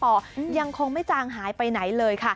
และหนึ่งวันที่ผู้ชมแฟนคลับคนรักปอร์ได้มารวมตัวกัน